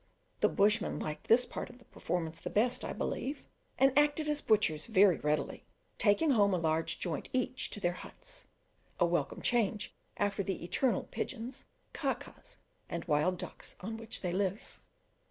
The bushmen liked this part of the performance the best, I believe, and acted as butchers very readily, taking home a large joint each to their huts, a welcome change after the eternal pigeons, ka kas, and wild ducks on which they live.